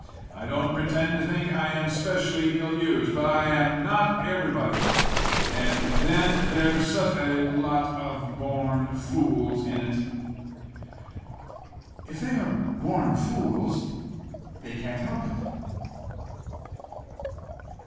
I don't pretend to think I am specially ill used. But I am not everybody. And then there's such a lot of born fools in it!" "If they are born fools they can't help it."